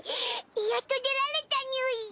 やっと出られたにゅい！